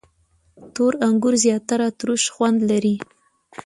• تور انګور زیاتره تروش خوند لري.